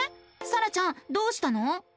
さらちゃんどうしたの？